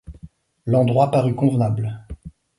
L’endroit parut convenable